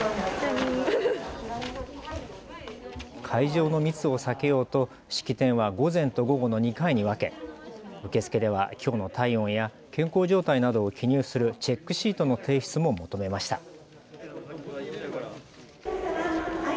会場の密を避けようと式典は午前と午後の２回に分け、受付ではきょうの体温や健康状態などを記入するチェックシートの提出も求めました。